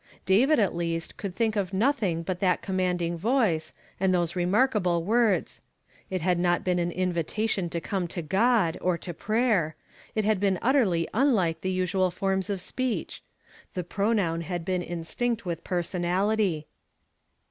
David, at least, could think of nothing but that connnanding voice, and those remarkable words. It had not been an invitation to come to God, or to prayer ; it had been utterly unlike the usual forms of speech ; the pronoun had been instinct with personality.